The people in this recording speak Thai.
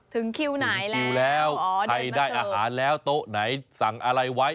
ถึงคิวไหนแล้วถึงคิวแล้วอ๋อเดินมาเถอะใครได้อาหารแล้วโต๊ะไหนสั่งอะไรไว้